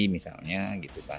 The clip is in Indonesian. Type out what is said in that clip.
misalnya gitu pak